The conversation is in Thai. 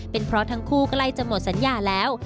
เป็นเพราะทั้งคู่ใกล้จะหมดสัญญาแล้ว